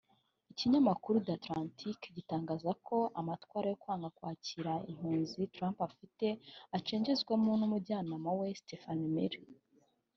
Ikinyamakuru The Atlantic gitangaza ko amatwara yo kwanga kwakira impunzi Trump afite ayacengezwamo n’umujyanama we Stephen Miller